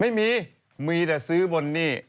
ไม่มีมีแต่ซื้อบนหนี้